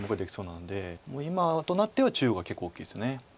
今となっては中央が結構大きいです。